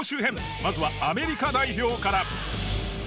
まずはアメリカ代表から。